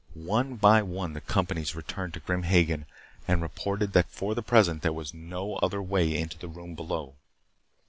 One by one the companies returned to Grim Hagen and reported that for the present there was no other way into the room below.